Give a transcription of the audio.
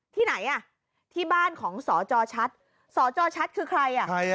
ที่ไหนอ่ะที่บ้านของสจชัดสจชัดคือใครอ่ะใครอ่ะ